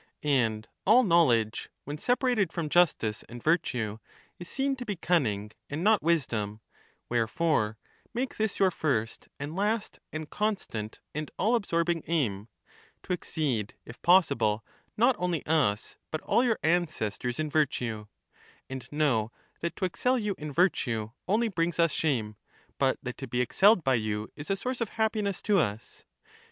And all vol. 11. — 34 530 Consolation of parents. Menexenus. knowledge, when separated from justice and virtue, is seen Socrates. to be cunning and not wisdom ; wherefore make this your first and last and constant and all absorbing aim, to exceed, 247 if possible, not only us but all your ancestors in virtue ; and know that to excel you in virtue only brings us shame, but that to be excelled by you is a source of happiness to us.